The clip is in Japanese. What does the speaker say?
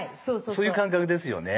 そういう感覚ですよね。